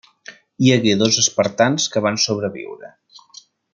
Hi hagué dos espartans que van sobreviure.